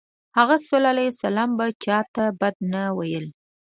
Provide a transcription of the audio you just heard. هغه ﷺ به چاته بد نه ویلی.